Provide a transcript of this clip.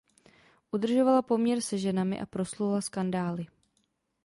Udržovala poměr se ženami a proslula skandály.